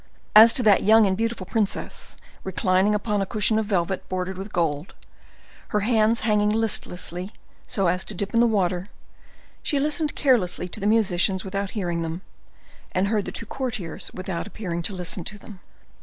As to that young and beautiful princess, reclining upon a cushion of velvet bordered with gold, her hands hanging listlessly so as to dip in the water, she listened carelessly to the musicians without hearing them, and heard the two courtiers without appearing to listen to them.